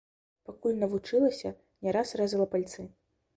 Пакуль навучылася, не раз рэзала пальцы.